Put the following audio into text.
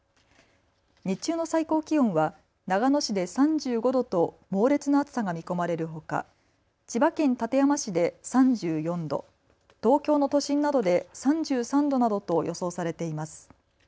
日中の最高気温は長野市で３５度と猛烈な暑さが見込まれるほか千葉県館山市で３４度、東京の都心などで３３度などと予想されています。